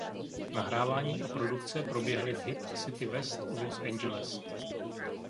Nahrávání a produkce proběhly v Hit City West v Los Angeles.